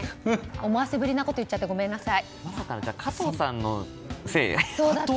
思わせぶりなこと言っちゃってごめんなさい。